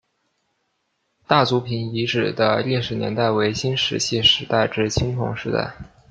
大族坪遗址的历史年代为新石器时代至青铜时代。